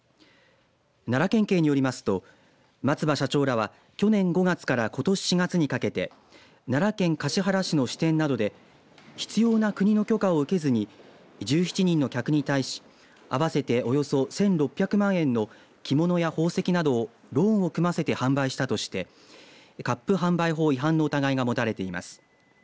奈良県警によりますと松葉社長らは、去年５月からことし４月にかけて奈良県橿原市の支店などで必要な国の許可を受けずに１７人の客に対し合わせておよそ１６００万円の着物や宝石などをローンを組ませて販売したとして割賦販売法違反の疑いが持たれています。